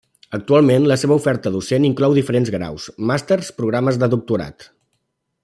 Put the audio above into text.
Actualment la seva oferta docent inclou diferents graus, màsters, programes de doctorat.